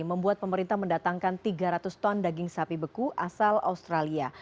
membuat pemerintah mendatangkan tiga ratus ton daging sapi beku asal australia